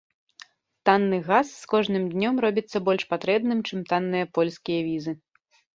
Танны газ з кожным днём робіцца больш патрэбным, чым танныя польскія візы.